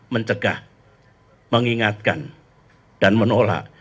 mencegah mengingatkan dan menolak